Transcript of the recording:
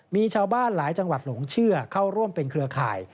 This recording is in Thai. มีชาวบ้านหลายจังหวัดหลงเชื่อเข้าร่วมเป็นเครือข่าย